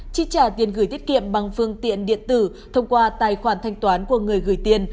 chi trả tiền gửi tiết kiệm bằng phương tiện điện tử thông qua tài khoản thanh toán của người gửi tiền